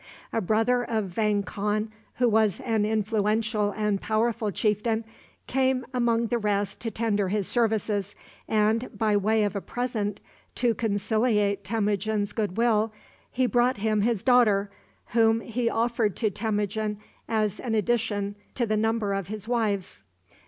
A brother of Vang Khan, who was an influential and powerful chieftain, came among the rest to tender his services, and, by way of a present to conciliate Temujin's good will, he brought him his daughter, whom he offered to Temujin as an addition to the number of his wives.